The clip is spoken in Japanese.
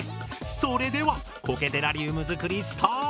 それではコケテラリウム作りスタート！